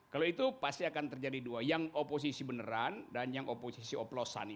kalau itu pasti akan terjadi dua yang oposisi beneran dan yang oposisi oplosan itu